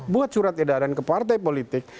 buat surat edaran ke partai politik